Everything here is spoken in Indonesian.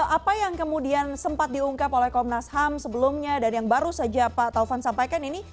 apa yang kemudian sempat diungkap oleh komnas ham sebelumnya dan yang baru saja pak taufan sampaikan ini